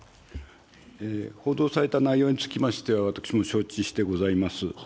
報道された内容につきましては、私も承知してございます。